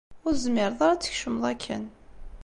Ur tezmireḍ ara ad tkecmeḍ akken.